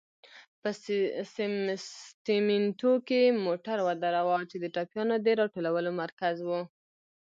په سمسټمینټو کې مو موټر ودراوه، چې د ټپيانو د را ټولولو مرکز و.